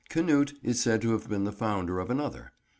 Canute is said to have been the founder of another.